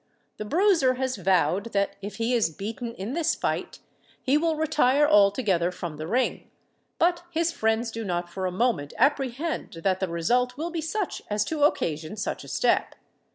The Bruiser has vowed that if he is beaten in this fight, he will retire altogether from the Ring; but his friends do not for a moment apprehend that the result will be such as to occasion such a step.